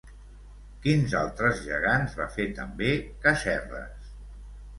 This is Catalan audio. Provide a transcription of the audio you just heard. Quins altres gegants va fer també Casserras?